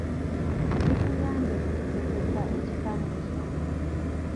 Bituyambye mu kugezesa ekipande kino.